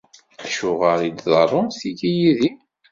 Acuɣer i d-ḍerrunt tigi yid-i?